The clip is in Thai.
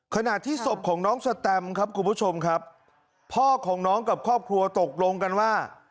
ขณะที่ศพของน้องสแตมครับคุณผู้ชมครับพ่อของน้องกับครอบครัวตกลงกันว่า